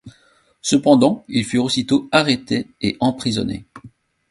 Cependant ils furent aussitôt arrêté et emprisonné.